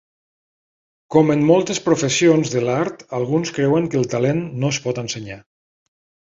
Com en moltes professions de l'art, alguns creuen que el talent no es pot ensenyar.